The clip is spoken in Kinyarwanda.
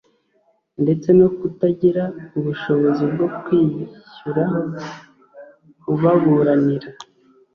ndetse no kutagira ubushobozi bwo kwishyura ubaburanira